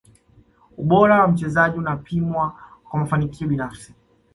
ubora wa mchezaji unapimwa kwa mafanikio binafsi